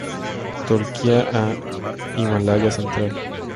Turquía a Himalaya central.